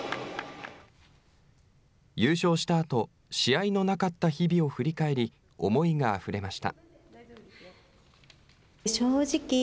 優勝したあと、試合のなかった日々を振り返り、思いがあふれました。